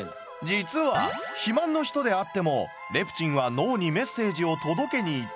実は肥満の人であってもレプチンは脳にメッセージを届けに行っている。